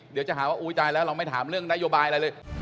เดี๋ยวจะหาว่าอุ๊ยตายแล้วเราไม่ถามเรื่องนโยบายอะไรเลย